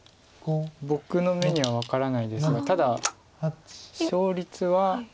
僕の目には分からないですがただ勝率は。